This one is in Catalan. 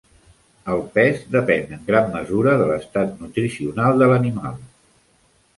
El pes depèn en gran mesura de l'estat nutricional de l'animal.